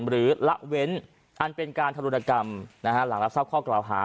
ละเว้นอันเป็นการทรุณกรรมหลังรับทราบข้อกล่าวหา